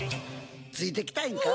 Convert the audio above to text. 「ついてきたいんか？」